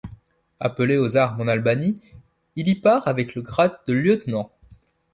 Appelé aux armes en Albanie, il y part avec le grade de lieutenant.